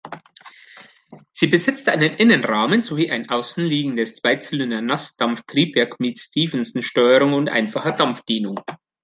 Sie besitzt einen Innenrahmen sowie ein außen liegendes Zweizylinder-Nassdampf-Triebwerk mit Stephenson-Steuerung und einfacher Dampfdehnung.